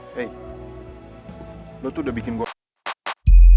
hei lo tuh udah bikin gue